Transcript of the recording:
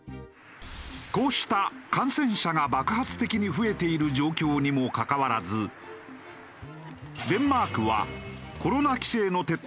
こうした感染者が爆発的に増えている状況にもかかわらずデンマークは